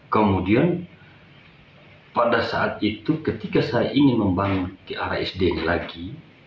kemudian pada saat itu ketika saya ingin membangun ke arah sdn lagi